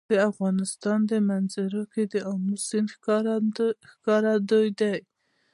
د افغانستان په منظره کې آمو سیند ښکاره ده.